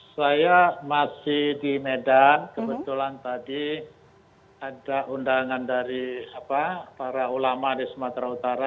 saya masih di medan kebetulan tadi ada undangan dari para ulama di sumatera utara